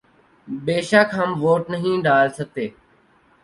بے شک ہم ووٹ نہیں ڈال سکتے